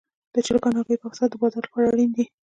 د چرګانو هګۍ پاک ساتل د بازار لپاره اړین دي.